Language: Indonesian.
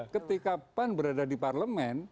ketika pan berada di parlemen